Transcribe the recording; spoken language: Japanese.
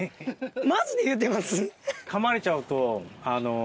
マジで言うてます？